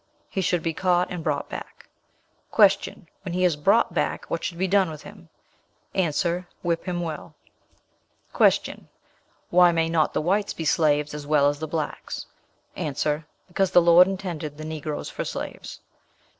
'He should be caught and brought back.' "Q. When he is brought back, what should be done with him? A. 'Whip him well.' "Q. Why may not the whites be slaves as well as the blacks? A. 'Because the Lord intended the Negroes for slaves.'